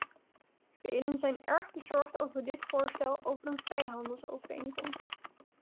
Velen zijn erg bezorgd over dit voorstel voor een vrijhandelsovereenkomst.